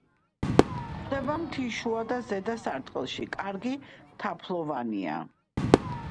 გვხვდება მთის შუა და ზედა სარტყელში, კარგი თაფლოვანია.